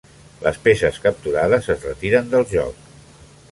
Les peces capturades es retiren del joc.